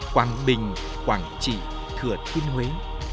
quảng bình quảng trị thừa thiên huế